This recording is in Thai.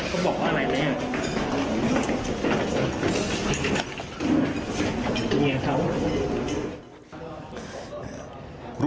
ขอโทษค่ะขอโทษนะครับ